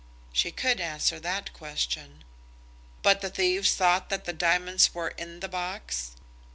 She could answer that question. "But the thieves thought that the diamonds were in the box?"